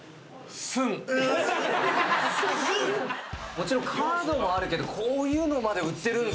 もちろんカードもあるけどこういうのまで売ってるんすね。